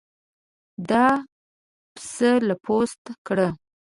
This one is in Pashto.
دا پسه له پوسته کړه.